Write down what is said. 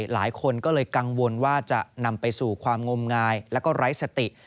หลายคนก็เลยกังวลว่าจะนำไปสู่ความงมงายแล้วก็ไร้สติ